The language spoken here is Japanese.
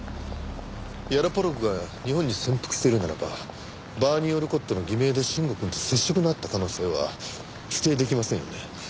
ヤロポロクが日本に潜伏しているならばバーニー・オルコットの偽名で臣吾くんと接触のあった可能性は否定出来ませんよね。